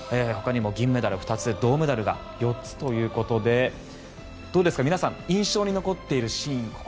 ほかにも銀メダル２つ銅メダルが４つということでどうですか、皆さん印象に残っているシーン